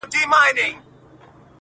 د ژوندیو په کورونو کي به غم وي؛